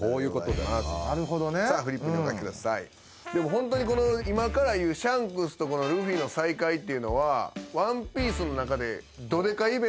ホントにこの今から言うシャンクスとルフィの再会っていうのは『ワンピース』の中でドでかイベントの。